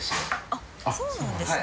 あっそうなんですね。